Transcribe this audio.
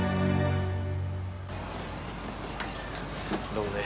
どうもね。